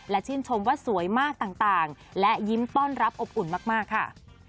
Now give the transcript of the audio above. และชื่นชมว่าสวยมากต่างและยิ้มต้อนรับอบอุ่นมากค่ะ